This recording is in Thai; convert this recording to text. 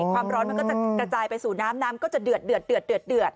ความร้อนมันก็จะกระจายไปสู่น้ำน้ำก็จะเดือด